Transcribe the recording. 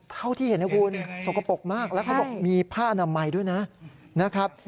เท่าที่เห็นให้คุณสกปรกมากแล้วก็บอกมีผ้านำไมด้วยนะนะครับ